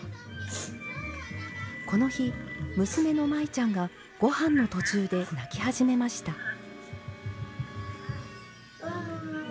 この日娘のマイちゃんが御飯の途中で泣き始めました。